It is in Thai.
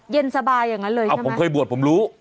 เย็นสบายอย่างนั้นเลยผมเคยบวชผมรู้